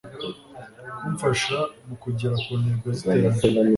kumfasha mu kugera ku ntego z'iterambere